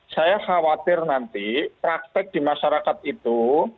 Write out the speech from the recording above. saya khawatir nanti praktek di masyarakat itu